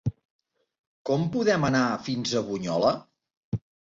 Com podem anar fins a Bunyola?